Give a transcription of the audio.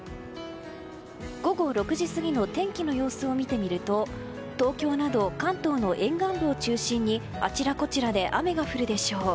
午後６時過ぎの天気の様子を見てみると東京など関東の沿岸部を中心にあちらこちらで雨が降るでしょう。